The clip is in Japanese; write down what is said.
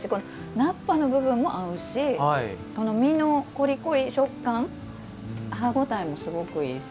菜っぱの部分も合うし身のコリコリ、食感歯応えもすごくいいし。